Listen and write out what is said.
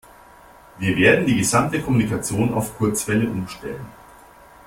Wir werden die gesamte Kommunikation auf Kurzwelle umstellen.